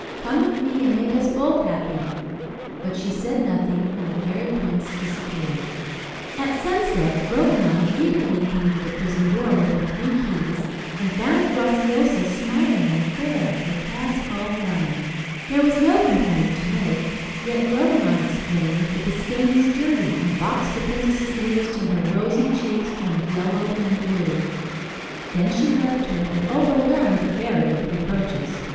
Come with me, and make us both happy." But she said nothing, and the fairy prince disappeared. At sunset, Grognon eagerly came to the prison door with her three keys, and found Graciosa smiling and fair, her task all done. There was no complaint to make, yet Grognon exclaimed that the skein was dirty, and boxed the princess's ears till her rosy cheeks turned yellow and blue. Then she left her, and overwhelmed the fairy with reproaches.